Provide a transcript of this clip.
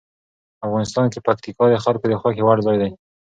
افغانستان کې پکتیکا د خلکو د خوښې وړ ځای دی.